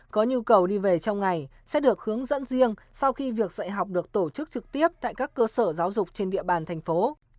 có nhu cầu đi về trong ngày sẽ được hướng dẫn riêng sau khi việc dạy học được tổ chức trực tiếp tại các cơ sở giáo dục trên địa bàn thành phố